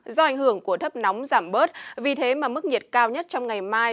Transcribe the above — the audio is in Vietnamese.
do ảnh hưởng của thấp nóng giảm bớt vì thế mà mức nhiệt cao nhất trong ngày mai